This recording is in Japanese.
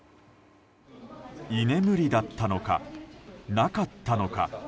居眠りだったのかなかったのか。